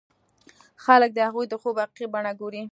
خلک د هغوی د خوب حقيقي بڼه ګوري.